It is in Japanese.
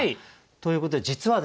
ということで実はですね